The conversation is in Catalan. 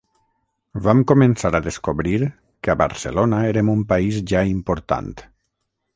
Vam començar a descobrir que a Barcelona érem un país ja important.